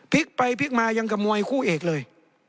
พลิกไปพลิกมายังกับมวยคู่เอกเลย